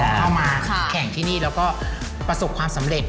เข้ามาแข่งที่นี่แล้วก็ประสบความสำเร็จ